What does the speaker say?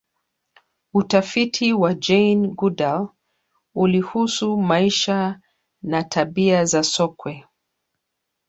utafiti wa jane goodal ulihusu maisha na tabia za sokwe